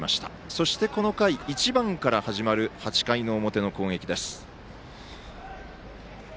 そして、この回１番から始まる８回の表の攻撃です。